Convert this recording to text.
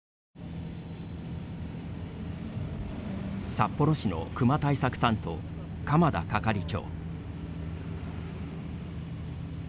札幌市の熊対策担当鎌田係長。